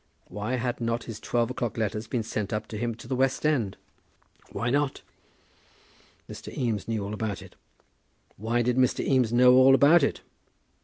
Why had not his twelve o'clock letters been sent up to him to the West End? Why not? Mr. Eames knew all about it. Why did Mr. Eames know all about it?